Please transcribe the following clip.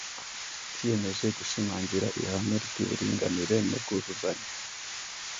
kiyemeje gushimangira ihame ry’uburinganire n’ubwuzuzanye.